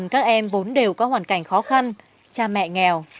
các em vốn đều có hoàn cảnh khó khăn cha mẹ nghèo